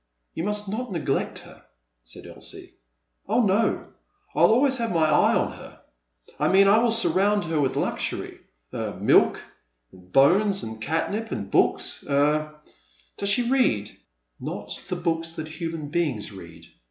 You must not neglect her,*' said Elsie. Oh no, I *11 always have my eye on her — I mean I will surround her with luxury — er, milk and bones and catnip and books— er — does she read?'* *' Not the books that human beings read.